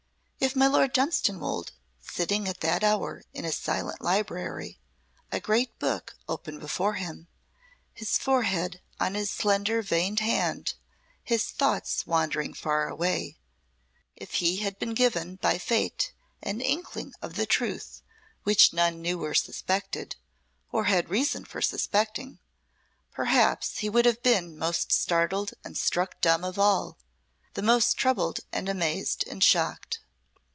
If my Lord Dunstanwolde, sitting at that hour in his silent library, a great book open before him, his forehead on his slender veined hand, his thoughts wandering far away, if he had been given by Fate an inkling of the truth which none knew or suspected, or had reason for suspecting, perhaps he would have been the most startled and struck dumb of all the most troubled and amazed and shocked.